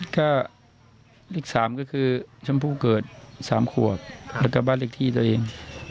ก็เลข๓ก็คือชมพู่เกิด๓ขวบแล้วก็บ้านเลขที่ตัวเอง